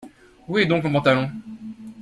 Où est donc mon pantalon ?…